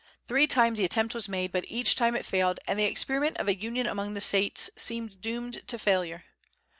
Three times the attempt was made, but each time it failed, and the experiment of a union among the States seemed doomed to failure.